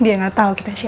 dia nggak tahu kita siapa